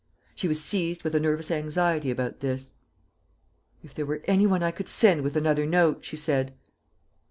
She was seized with a nervous anxiety about this. "If there were any one I could send with another note," she said.